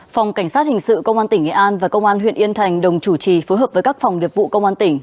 phòng cảnh sát hình sự công an tỉnh nghệ an và công an huyện yên thành đồng chủ trì phối hợp với các phòng nghiệp vụ công an tỉnh